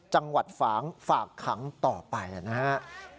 จังหวัดฝางฝากขังต่อไปนะครับ